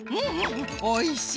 おいしい。